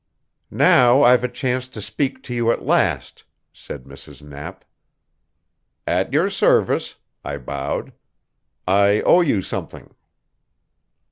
"Now I've a chance to speak to you at last," said Mrs. Knapp. "At your service," I bowed. "I owe you something."